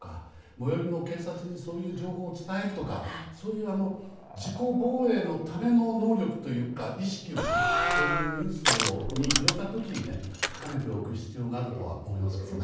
最寄りの警察にそういう情報を伝えるとか自己防衛のための能力というか意識をこういうニュースに触れた時に高めておく必要があると思いますけどね。